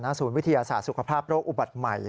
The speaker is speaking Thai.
ศูนย์วิทยาศาสตร์สุขภาพโรคอุบัติใหม่